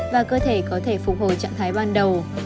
và cơ thể có thể phục hồi trạng thái ban đầu